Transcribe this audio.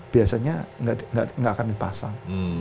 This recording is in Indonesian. biasanya gak akan dipasang